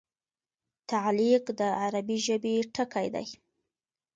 تعلیق د عربي ژبي ټکی دﺉ.